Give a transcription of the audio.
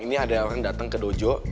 ini ada orang datang ke dojo